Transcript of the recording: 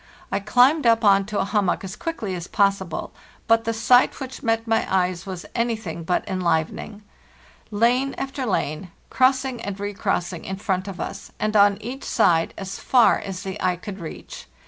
I climbed up on to a hum mock as quickly as possible, but the sight which met my eyes was anything but enlivening — lane after lane, cross ing and recrossing, in front of us and on each side, as far as the eye could reach.